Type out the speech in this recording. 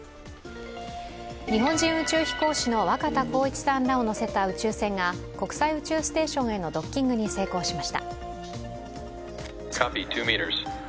日本人宇宙飛行士の若田光一さんらを乗せた宇宙船が国際宇宙ステーションへのドッキングに成功しました。